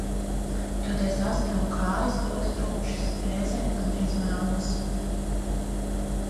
Toties aste un kājas ļoti tumšas, reizēm gandrīz melnas.